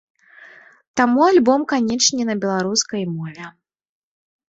Таму альбом, канечне, на беларускай мове.